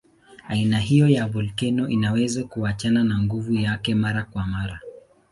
Aina hiyo ya volkeno inaweza kuachana na nguvu yake mara kwa mara.